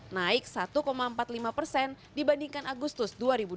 naik satu empat puluh lima persen dibandingkan agustus dua ribu dua puluh